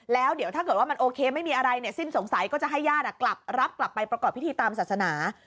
แล้วเดี๋ยวถ้าเกิดว่ามันโอเคไม่มีอะไรเนี่ยสิ้นสงสัยก็จะให้ญาติกลับรับกลับไปประกอบพิธีตามศาสนา